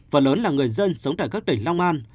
phần lớn là người dân sống tại các tỉnh long an